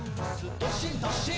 どっしんどっしん」